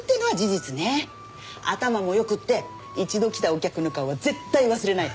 頭も良くて一度来たお客の顔は絶対忘れない。